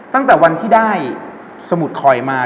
ตั้งแต่วันที่ได้สมุดคอยมา